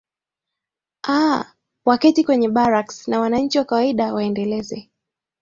aa waketi kwenye barracks na wananchi wa kawaida waendeleze